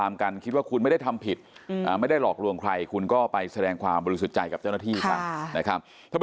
ไม่ได้หลอกหลวงใครคุณก็ไปแสดงความบริสุทธิ์ใจกับเจ้าหน้าที่